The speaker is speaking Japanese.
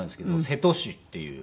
瀬戸市っていう。